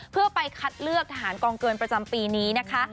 เพื่อไปคัดเลือกทหารกองเกินประจำปีนี้นะคะ